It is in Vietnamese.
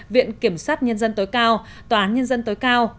viện kiểm sát nhân dân tối cao tòa án nhân dân tối cao